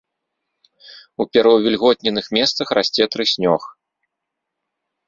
У пераўвільготненых месцах расце трыснёг.